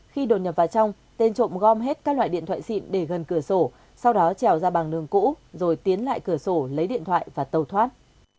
khi đột nhập vào trong tên trộm gom hết các loại điện thoại xịn để gần cửa sổ sau đó trèo ra bằng đường cũ rồi tiến lại cửa sổ lấy điện thoại và tàu thoát